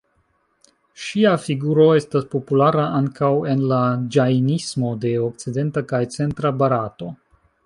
Ŝia figuro estas populara ankaŭ en la Ĝajnismo de okcidenta kaj centra Barato.